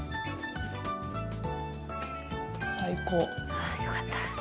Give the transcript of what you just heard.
ああよかった。